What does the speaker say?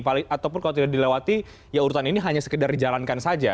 ataupun kalau tidak dilewati ya urutan ini hanya sekedar dijalankan saja